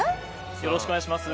よろしくお願いします。